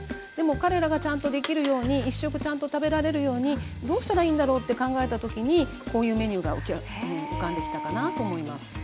でも彼らがちゃんとできるように一食ちゃんと食べられるようにどうしたらいいんだろうって考えた時にこういうメニューが浮かんできたかなと思います。